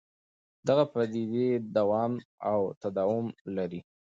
دغه پدیدې دوام او تداوم لري.